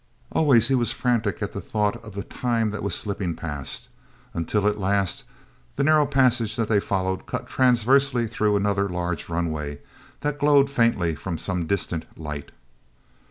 Always he was frantic at thought of the time that was slipping past—until, at last, the narrow passage that they followed cut transversely through another large runway that glowed faintly from some distant light.